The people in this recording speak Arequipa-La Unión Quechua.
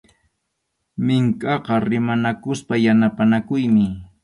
Minkʼaqa rimanakuspa yanapanakuymi.